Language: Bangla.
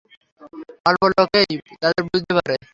অল্প লোকেই তাঁদের বুঝতে পারে।